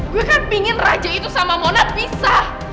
gue kan pingin raju itu sama mona pisah